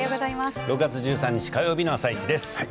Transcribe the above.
６月１３日火曜日の「あさイチ」です。